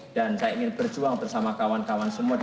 dan saya ingin berjuang bersama kawan kawan semua di sini